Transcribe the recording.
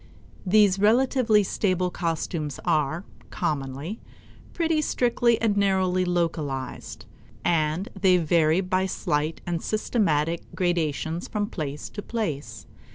These relatively stable costumes are, commonly, pretty strictly and narrowly localized, and they vary by slight and systematic gradations from place to place.